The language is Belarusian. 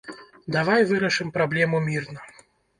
Давай вырашым праблему мірна!